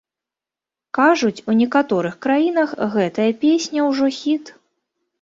Кажуць, у некалькіх краінах гэтая песня ўжо хіт.